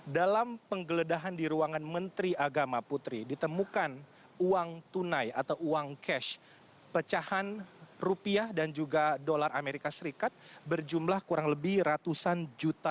dalam penggeledahan di ruangan menteri agama putri ditemukan uang tunai atau uang cash pecahan rupiah dan juga dolar amerika serikat berjumlah kurang lebih ratusan juta